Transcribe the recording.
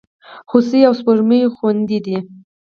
هوسۍ او سپوږمۍ خوېندي دي.